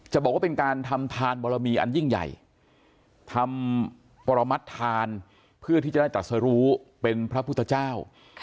บอกว่าเป็นการทำทานบรมีอันยิ่งใหญ่ทำปรมัติธานเพื่อที่จะได้ตัดสรุเป็นพระพุทธเจ้า